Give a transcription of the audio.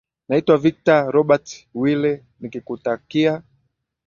naitwa victor robert wile nikikutakia